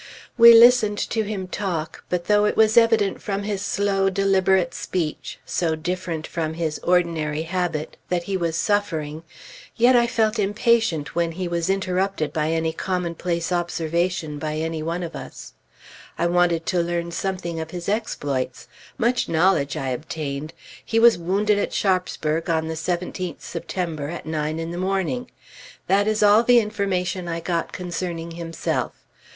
We listened to him talk, but though it was evident from his slow, deliberate speech, so different from his ordinary habit, that he was suffering, yet I felt impatient when he was interrupted by any commonplace observation by one of us. I wanted to learn something of his exploits. Much knowledge I obtained! He was wounded at Sharpsburg on the 17th September, at nine in the morning. That is all the information I got concerning himself.